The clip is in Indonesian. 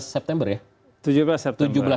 lima belas september ya